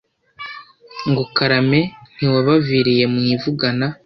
Ngo karame ntiwabaviriye mu ivugana